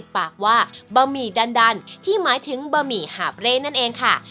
บะหมี่ดันดันที่หมายถึงบะหมี่หาบเรนั่นเองค่ะ